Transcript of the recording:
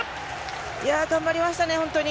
いやー、頑張りましたね、本当に。